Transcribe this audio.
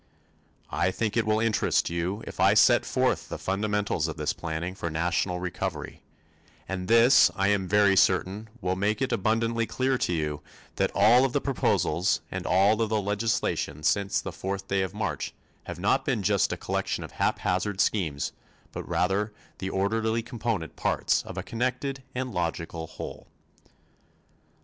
I think it will interest you if I set forth the fundamentals of this planning for national recovery; and this I am very certain will make it abundantly clear to you that all of the proposals and all of the legislation since the fourth day of March have not been just a collection of haphazard schemes but rather the orderly component parts of a connected and logical whole.